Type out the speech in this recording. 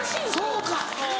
そうか。